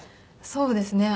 そうですね。